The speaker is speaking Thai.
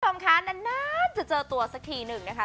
สำคัญนานจะเจอตัวสักทีหนึ่งนะคะ